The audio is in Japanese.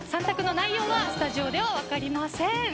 ３択の内容はスタジオでは分かりません。